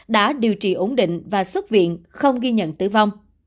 đã điều trị ổn định và xuất viện không ghi nhận tử vong